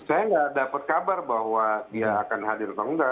saya nggak dapat kabar bahwa dia akan hadir atau enggak